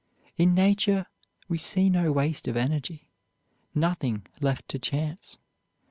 In nature we see no waste of energy, nothing left to chance.